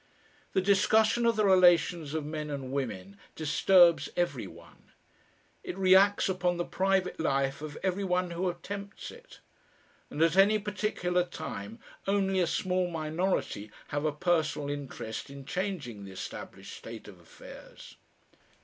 The discussion of the relations of men and women disturbs every one. It reacts upon the private life of every one who attempts it. And at any particular time only a small minority have a personal interest in changing the established state of affairs.